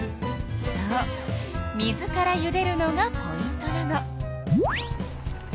そう水からゆでるのがポイントなの。